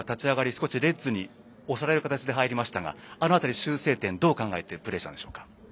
少しレッズに押される形で入りましたがあの辺り、修正点どう考えてプレーしたんでしょうか？